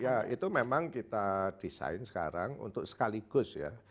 dan itu memang kita desain sekarang untuk sekaligus ya